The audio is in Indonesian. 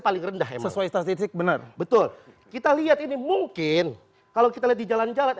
paling rendah sesuai statistik benar betul kita lihat ini mungkin kalau kita lihat di jalan jalan